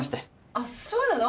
あっそうなの？